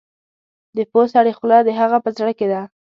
د پوه سړي خوله د هغه په زړه کې ده.